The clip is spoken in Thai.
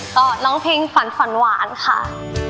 ก็ร้องเพลงฝันฝันหวานค่ะ